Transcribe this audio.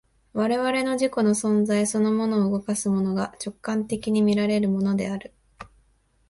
我々の自己の存在そのものを動かすものが、直観的に見られるものである。